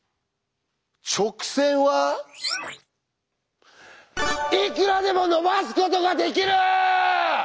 「直線はいくらでも延ばすことができる」！